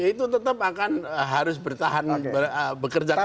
itu tetap akan harus bertahan bekerja keras